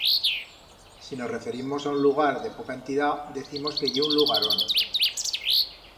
Si nos referimos a un lugar de poca entidat, decimos que ye un lugarón.